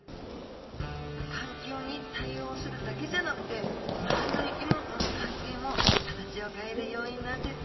環境に対応するだけじゃなくて周りの生き物との関係も形を変える要因なんですね。